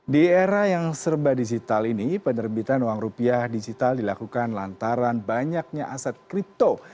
di era yang serba digital ini penerbitan uang rupiah digital dilakukan lantaran banyaknya aset kripto